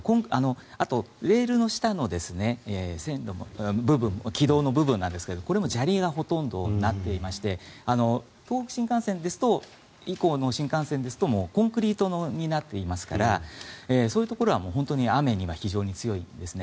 あと、レールの下の線路の軌道の部分もこれも砂利がほとんどになっていまして東北新幹線以降の新幹線ですとコンクリートになっていますからそういうところは本当に雨には非常に強いんですね。